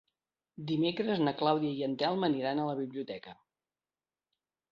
Dimecres na Clàudia i en Telm aniran a la biblioteca.